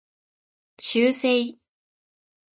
修正